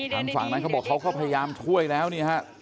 ทางฝั่งนั้นเขาบอกเขาก็พยายามช่วยแล้วนี่ฮะ